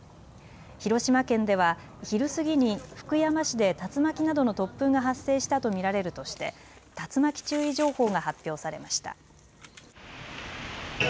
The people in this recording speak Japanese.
広島県では昼過ぎに福山市で竜巻などの突風が発生したと見られるとして竜巻注意情報が発表されました。